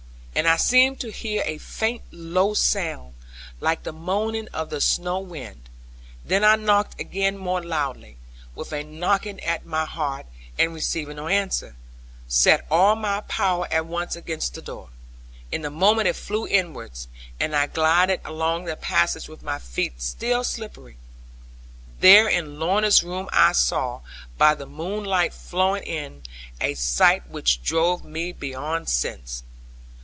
And I seemed to hear a faint low sound, like the moaning of the snow wind. Then I knocked again more loudly, with a knocking at my heart: and receiving no answer, set all my power at once against the door. In a moment it flew inwards, and I glided along the passage with my feet still slippery. There in Lorna's room I saw, by the moonlight flowing in, a sight which drove me beyond sense.